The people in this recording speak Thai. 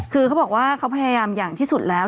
คือเขาบอกว่าเขาพยายามอย่างที่สุดแล้ว